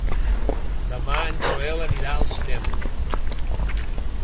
Demà en Joel anirà al cinema.